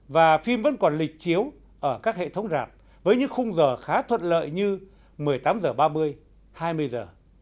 và phim vẫn còn lịch chiếu ở các hệ thống rạp với những khung giờ khá thuận lợi như một mươi tám h ba mươi hai mươi h